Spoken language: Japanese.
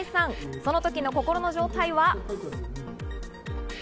その時の心の状態は？